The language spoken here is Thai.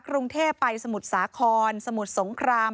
กรุงเทพไปสมุทรสาครสมุทรสงคราม